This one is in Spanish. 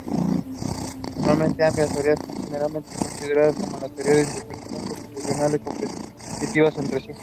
Aunque ambas teorías son generalmente consideradas como teorías de interpretación constitucional competitivas entre sí.